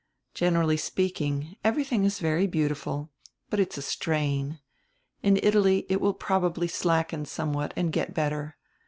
Generally speak ing, everything is very beautiful, but it's a strain. In Italy it will probably slacken somewhat and get better.